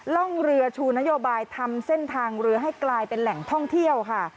ร่องเรือชูนโยบายทำเส้นทางเรือให้กลายเป็นแหล่งท่องเที่ยวค่ะ